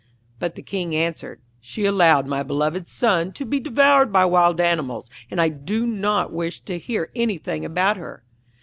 But the King answered, 'She allowed my beloved son to be devoured by wild animals, and I do not wish to hear anything about her.'